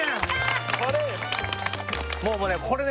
もうねこれね